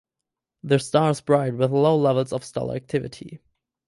The star is bright with low levels of stellar activity.